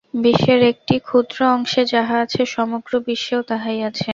বিশ্বের একটি ক্ষুদ্র অংশে যাহা আছে, সমগ্র বিশ্বেও তাহাই আছে।